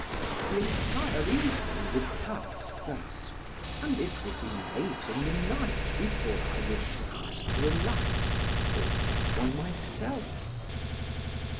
The entire evening would pass thus, and it would be late in the night before I would ask for a light, or get one myself.